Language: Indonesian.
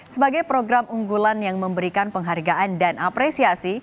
sebagai program unggulan yang memberikan penghargaan dan apresiasi